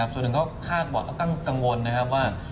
ส่วนหนึ่งก็กล้างกังวลว่า